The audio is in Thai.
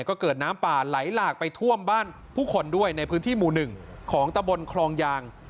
ก็เกิดน้ำป่าไหลหลากไปท่วมบ้านผู้คนด้วยในพื้นที่หมู่๑ของตะบนคลองยาง